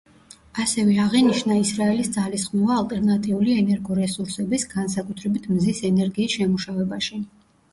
ასევე აღინიშნა ისრაელის ძალისხმევა ალტერნატიული ენერგორესურსების, განსაკუთრებით მზის ენერგიის შემუშავებაში.